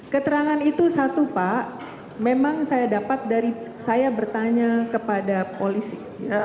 keterangan itu satu pak memang saya dapat dari saya bertanya kepada polisi